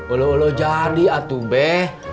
ulo ulo jadi atuh beh